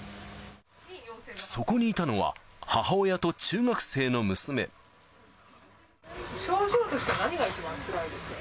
そこにいたのは、母親と中学症状としては何が一番つらいでしょう？